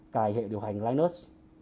cài hệ điều hành linux